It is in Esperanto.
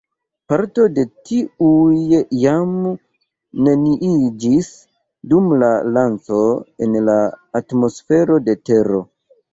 Parto de tiuj jam neniiĝis dum la lanĉo en la atmosfero de Tero.